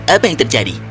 apa yang terjadi